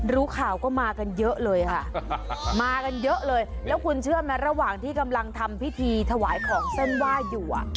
รู้ข่าวก็มากันเยอะเลยค่ะมากันเยอะเลยแล้วคุณเชื่อไหมระหว่างที่กำลังทำพิธีถวายของเส้นไหว้อยู่อ่ะ